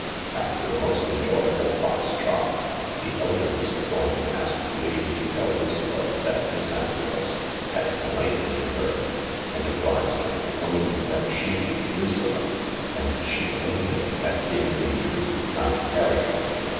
After a most enjoyable fox trot, the elder Mr. Thornton asked leave to tell Lucilla that Miss Antrobus " had the knife into her, "and advised her to own that she, Lucilla, and she only, had been, in truth, Aunt Harriet.